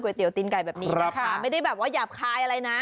เตี๋ยตีนไก่แบบนี้นะคะไม่ได้แบบว่าหยาบคายอะไรนะ